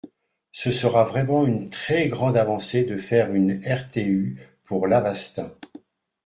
Ce sera vraiment une très grande avancée de faire une RTU pour l’Avastin.